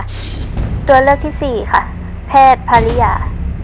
ตัวเลือกที่สี่ค่ะแพทย์ภรรยา